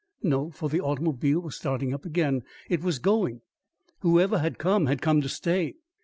No, for the automobile was starting up again it was going. Whoever had come had come to stay.